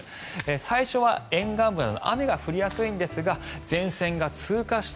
最初は沿岸部など雨が降りやすいんですが前線が通過した